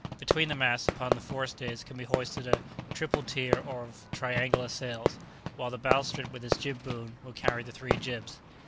Between the masts upon the fore stays can be hoisted a triple tier of triangular sails; while the bowsprit with its jib boom will carry the three jibs.